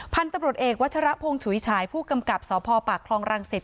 พันธุ์ตำรวจเอกวัชรพงศ์ฉุยฉายผู้กำกับสพปากคลองรังสิต